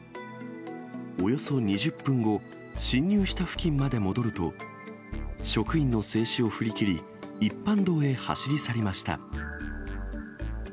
およそ２０分後、進入した付近まで戻ると、職員の制止を振り切り、一般道へ走り去りました。